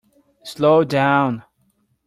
Slow down!